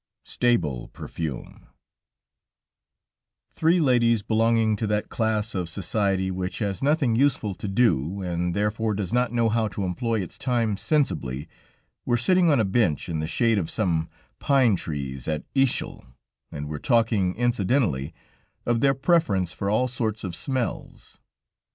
STABLE PERFUME Three ladies belonging to that class of society which has nothing useful to do, and therefore does not know how to employ its time sensibly, were sitting on a bench in the shade of some pine trees at Ischl, and were talking incidentally of their preference for all sorts of smells.